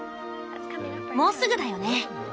もうすぐだよね！